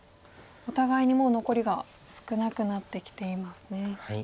お互いにもう残りが少なくなってきていますね。